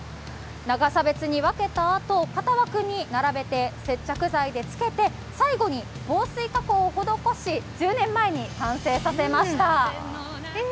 長さ別に分けたあと型枠に並べて接着剤でつけて最後に防水加工を施し、１０年前に完成させました。